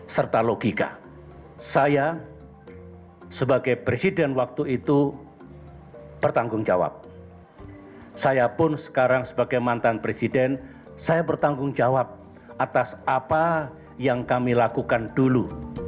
saya pun sekarang sebagai mantan presiden saya bertanggung jawab atas apa yang kami lakukan dulu